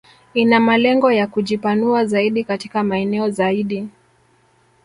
Ina malengo ya kujipanua zaidi katika maeneo zaidi